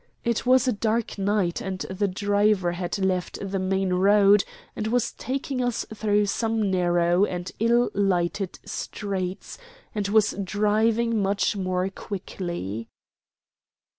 It was a dark night, and the driver had left the main road and was taking us through some narrow and ill lighted streets, and was driving much more quickly.